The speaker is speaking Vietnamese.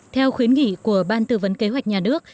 theo khuyến nghị của ban tư vấn kế hoạch nhà nước